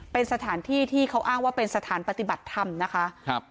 เป็นสถานที่ที่เขาอ้างว่าเป็นสถานปฏิบัติธรรมนะคะครับ